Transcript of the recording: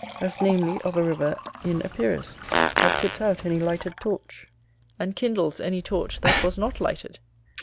As namely of a river in Epirus that puts out any lighted torch, and kindles any torch that was not lighted.